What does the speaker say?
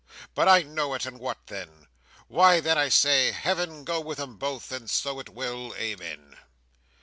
But I know it, and what then! Why, then, I say, Heaven go with 'em both, and so it will! Amen!"